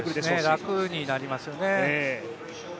楽になりますよね。